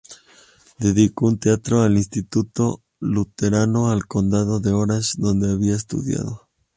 Dedicó un teatro al Instituto Luterano del Condado de Orange, donde había estudiado.